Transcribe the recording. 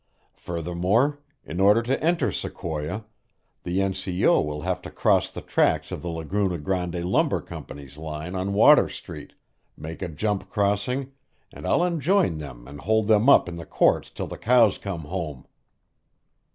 "Furthermore, in order to enter Sequoia, the N. C. O. will have to cross the tracks of the Laguna Grande Lumber Company's line on Water Street make a jump crossing and I'll enjoin them and hold them up in the courts till the cows come home."